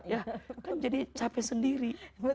ya kan jadi capek sendiri